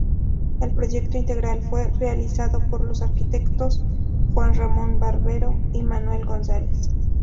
El proyecto integral fue realizado por los arquitectos Juan Ramón Barbero y Manuel González.